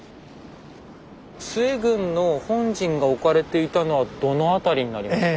陶軍の本陣が置かれていたのはどの辺りになりますか？